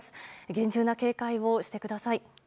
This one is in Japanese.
厳重な警戒をしてください。